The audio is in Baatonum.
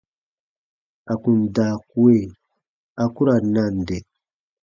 À kun daa kue, a ku ra nande.